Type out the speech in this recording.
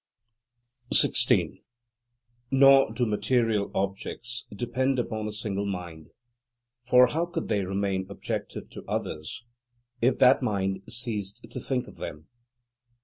16. Nor do material objects depend upon a single mind, for how could they remain objective to others, if that mind ceased to think of them?